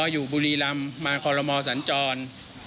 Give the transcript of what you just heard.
อยู่บุรีรำมาคอลโลมอสัญจร